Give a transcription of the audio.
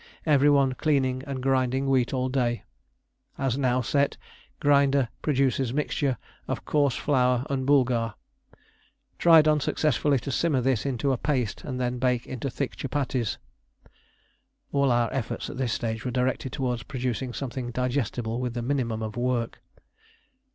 Every one cleaning and grinding wheat all day. As now set, grinder produces mixture of coarse flour and boulgar. Tried unsuccessfully to simmer this into a paste and then bake into thick chupatties." (All our efforts at this stage were directed towards producing something digestible with the minimum of work.)